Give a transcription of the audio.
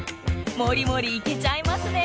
もりもりいけちゃいますね。